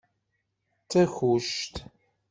D takuct.